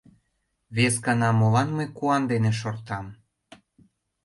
Вескана молан мый куан дене шортам?